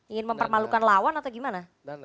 ingin mempermalukan lawan atau gimana